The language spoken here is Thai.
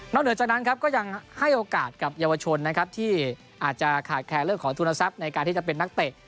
เหนือจากนั้นครับก็ยังให้โอกาสกับเยาวชนนะครับที่อาจจะขาดแคร์เรื่องของทุนทรัพย์ในการที่จะเป็นนักเตะ